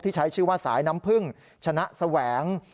ใช้ชื่อว่าสายน้ำพึ่งชนะแสวง